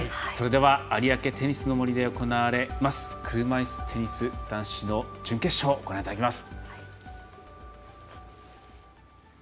有明テニスの森で行われます車いすテニス男子準決勝をご覧いただきます。